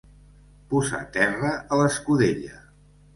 Posar terra a l'escudella.